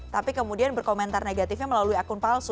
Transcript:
tapi kemudian berkomentar negatifnya melalui akun palsu